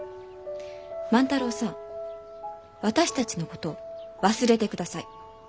万太郎さん私たちのこと忘れてください。